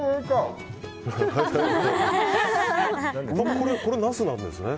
これ、ナスなんですね。